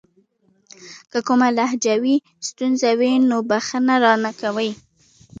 کچېرې کومه لهجوي ستونزه وي نو بښنه راته کوئ .